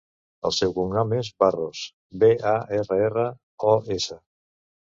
El seu cognom és Barros: be, a, erra, erra, o, essa.